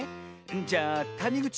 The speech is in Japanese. じゃあたにぐち